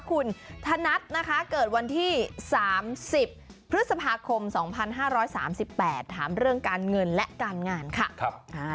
คุณธนัดนะคะเกิดวันที่๓๐พฤษภาคม๒๕๓๘ถามเรื่องการเงินและการงานค่ะ